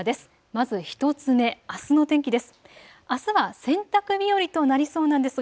まず１つ目、あすの天気です。